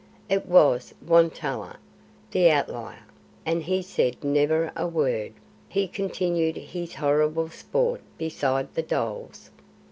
It was Won tolla, the Outlier, and he said never a word, but continued his horrible sport beside the dholes.